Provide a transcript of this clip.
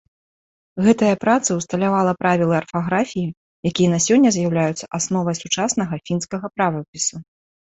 Гэтая праца ўсталявала правілы арфаграфіі, якія на сёння з'яўляюцца асновай сучаснага фінскага правапісу.